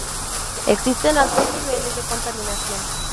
Existen altos niveles de contaminación.